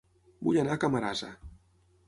Vull anar a Camarasa